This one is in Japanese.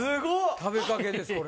・食べかけですこれ。